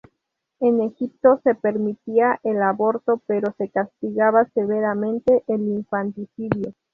En Egipto se permitía el aborto pero se castigaba severamente el infanticidio.